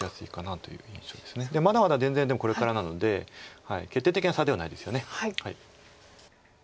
まだまだ全然でもこれからなので決定的な差ではないですよね。